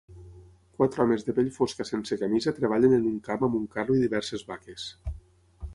Quatre homes de pell fosca sense camisa treballen en un camp amb un carro i diverses vaques